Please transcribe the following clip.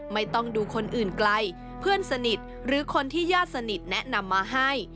ไม่ต้องดูคนอื่นไกลเพื่อนสนิทหรือคนที่ญาติสนิทแนะนำมาให้